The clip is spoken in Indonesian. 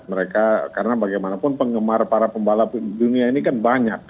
mereka karena bagaimanapun penggemar para pembalap dunia ini kan banyak